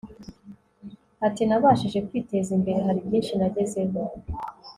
ati nabashije kwiteza imbere, hari byinshi nagezeho